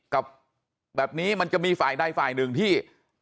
กับแบบนี้มันจะมีฝ่ายใดฝ่ายหนึ่งที่